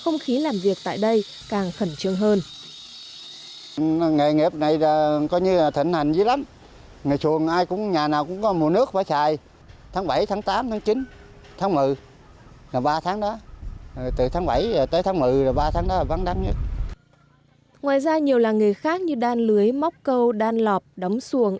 ngoài ra nhiều làng nghề khác như đan lưới móc câu đan lọp đóng xuồng